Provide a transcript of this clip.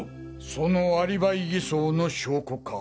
そのアリバイ偽装の証拠か。